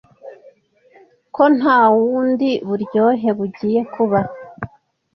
Ko ntawundi buryohe bugiye kuba